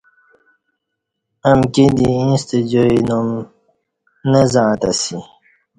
امکی دی ییݩستہ جائی نام نہ زعݩتہ اسی